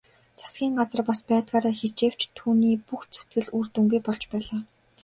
Засгийн газар бас байдгаараа хичээвч түүний бүх зүтгэл үр дүнгүй болж байлаа.